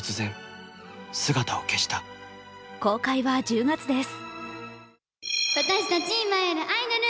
公開は１０月です。